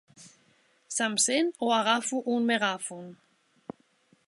Se'm sent o agafo un megàfon?